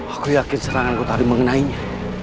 aku yakin seranganku tadi mengenainya